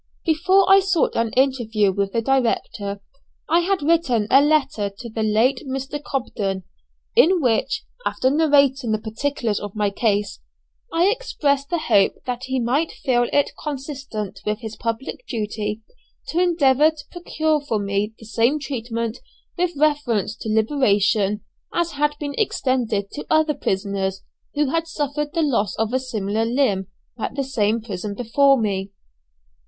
Before I sought an interview with the director, I had written a letter to the late Mr. Cobden, in which, after narrating the particulars of my case, I expressed the hope that he might feel it consistent with his public duty to endeavour to procure for me the same treatment with reference to liberation as had been extended to other prisoners who had suffered the loss of a similar limb at the same prison before me.